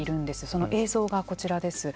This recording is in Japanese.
その映像がこちらです。